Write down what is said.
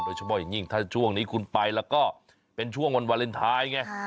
โดยเฉพาะอย่างยิ่งถ้าช่วงนี้คุณไปแล้วก็เป็นช่วงวันวาเลนไทยไง